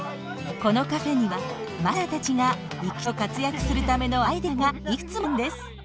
このカフェにはマスターたちが生き生きと活躍するためのアイデアがいくつもあるんです！